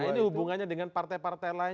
ini hubungannya dengan partai partai lain